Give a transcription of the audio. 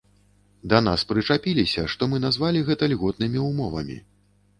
Да нас прычапіліся што мы назвалі гэта льготнымі ўмовамі.